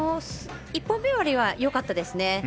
１本目よりはよかったですね。